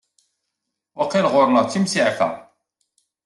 Waqil ɣur-neɣ timsiɛfa.